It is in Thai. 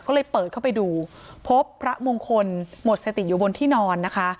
ก็เลยเปิดเข้าไปดูพบพระมงคลหมดสติอยู่บนที่นอนนะคะ